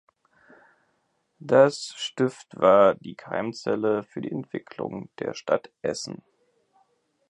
Das Stift war die Keimzelle für die Entwicklung der Stadt Essen.